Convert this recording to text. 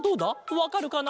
わかるかな？